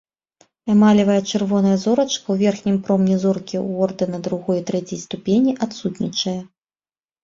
Эмалевая чырвоная зорачка ў верхнім промні зоркі ў ордэна другой і трэцяй ступені адсутнічае.